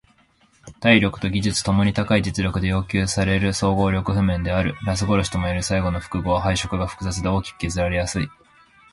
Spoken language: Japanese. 体力と技術共に高い実力で要求される総合力譜面である。ラス殺しともいえる最後の複合は配色が複雑で大きく削られやすい。